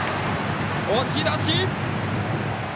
押し出し！